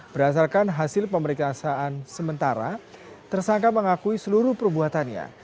berdasarkan hasil pemeriksaan sementara tersangka mengakui seluruh perbuatannya